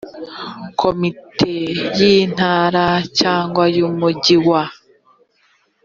komite y intara cyangwa y umujyi wa